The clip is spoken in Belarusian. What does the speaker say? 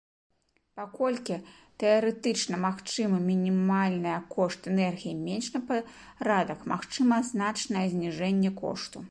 Паколькі тэарэтычна магчымы мінімальная кошт энергіі менш на парадак, магчыма значнае зніжэнне кошту.